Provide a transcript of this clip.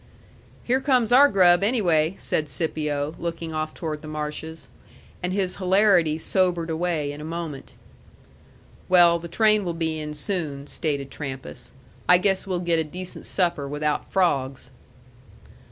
"Here comes our grub, anyway," said Scipio, looking off toward the marshes. And his hilarity sobered away in a moment. "Well, the train will be in soon," stated Trampas. "I guess we'll get a decent supper without frogs."